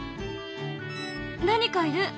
何かいる！